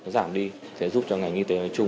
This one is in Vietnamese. giảm đi giúp cho ngành y tế nói chung